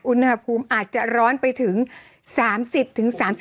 อุณหภูมิอาจจะร้อนไปถึง๓๐๓๔